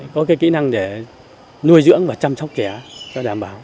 có cái kỹ năng để nuôi dưỡng và chăm sóc trẻ cho đảm bảo